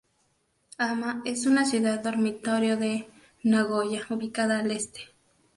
Ama es una ciudad dormitorio de Nagoya, ubicada al este.